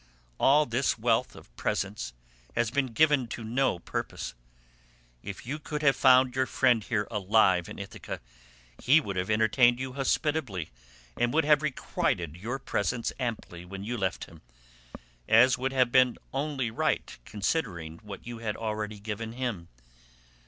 All this wealth of presents has been given to no purpose. If you could have found your friend here alive in Ithaca, he would have entertained you hospitably and would have requited your presents amply when you left him—as would have been only right considering what you had already given him.